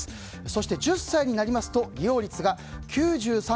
そして、１０歳になりますと利用率が９３．６％。